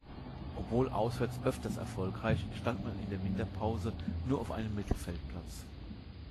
Obwohl auswärts öfters erfolgreich, stand man in der Winterpause nur auf einem Mittelfeldplatz.